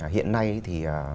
hiện nay thì